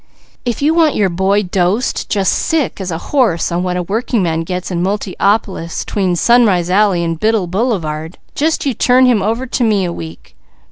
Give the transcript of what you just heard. If you want your boy dosed just sick as a horse on what a workingman gets in Multiopolis 'tween Sunrise Alley and Biddle Boulevard, just you turn him over to me a week.